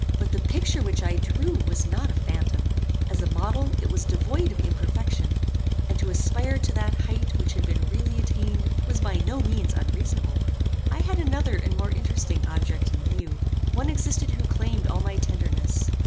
But the picture which I drew was not a phantom; as a model, it was devoid of imperfection; and to aspire to that height which had been really attained, was by no means unreasonable. I had another and more interesting object in view. One existed who claimed all my tenderness.